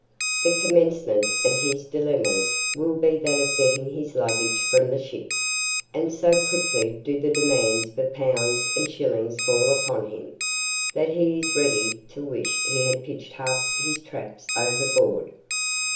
The commencement of his dilemmas will be that of getting his luggage from the ship; and so quickly do the demands for pounds and shillings fall upon him, that he is ready to wish he had pitched half his "traps" over board.